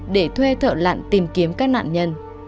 để thuê thợ lặn tìm kiếm các nạn nhân